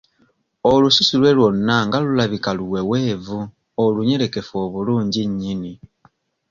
Olususu lwe lwonna nga lulabika luweweevu olunyerekefu obulungi nnyini.